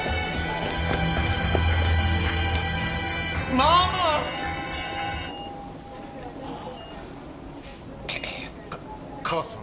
ママ！か母さん。